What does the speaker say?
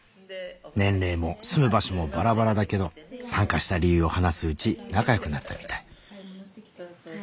年齢も住む場所もバラバラだけど参加した理由を話すうち仲良くなったみたい。